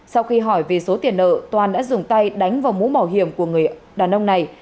sau khi hỏi về số tiền nợ toàn đã dùng tay đánh vào mũ bảo hiểm của người đàn ông này